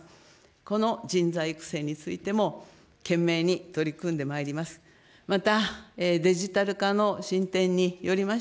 この人材育成についても、懸命に取り組んでまいります。